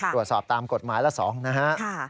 ตรวจสอบตามกฎหมายละ๒นะฮะ